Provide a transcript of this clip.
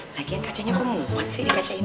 lagian kacanya kok muat sih di kaca ini